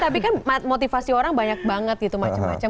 tapi kan motivasi orang banyak banget gitu macam macam